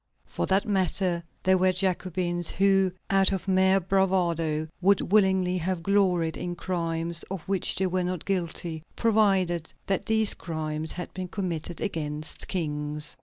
For that matter, there were Jacobins who, out of mere bravado, would willingly have gloried in crimes of which they were not guilty, provided that these crimes had been committed against kings.